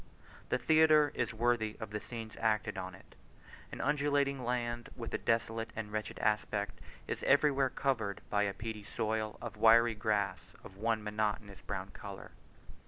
The theatre is worthy of the scenes acted on it. An undulating land, with a desolate and wretched aspect, is everywhere covered by a peaty soil and wiry grass, of one monotonous brown colour.